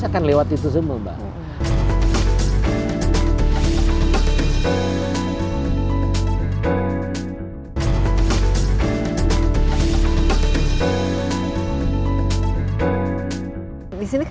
goed dahulu semua mbak